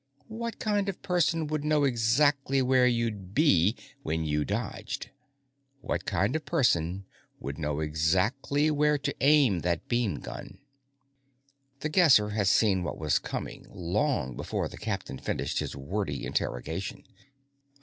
What kind of person would know exactly where you'd be when you dodged? What kind of person would know exactly where to aim that beamgun?" The Guesser had seen what was coming long before the captain finished his wordy interrogation.